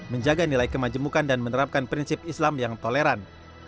menjaga nilai kemajemukan dan menerapkan prinsip islam yang toleran